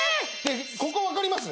ここ分かります？